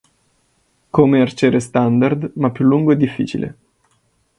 Come "Arciere" standard ma più lungo e difficile.